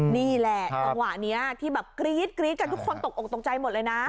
นี่แหละต่างหวะนี้ที่กรี๊ดกับทุกคนตกตกใจหมดเลยนะ